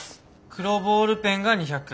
黒ボールペンが２００。